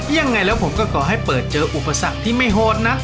ยังไงแล้วผมก็ก่อให้เปิดเจออุปสรรคที่ไม่โหดนะ